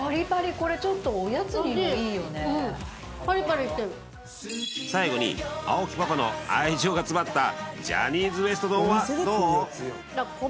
これちょっと最後に青木パパの愛情が詰まったジャニーズＷＥＳＴ丼はどう？